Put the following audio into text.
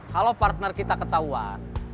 kalau partner kita ketahuan